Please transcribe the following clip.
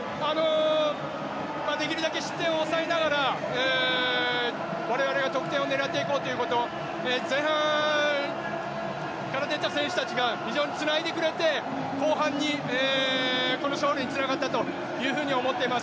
できるだけ失点を抑えながら我々は得点を狙っていこうということ、前半から出ていた選手たちがつないでくれて、後半にこの勝利につながったというふうに思っております